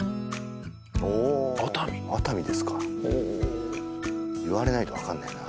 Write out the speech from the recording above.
おおー熱海ですか熱海言われないと分かんねえな